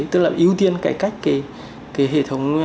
tức là ưu tiên cải cách cái hệ thống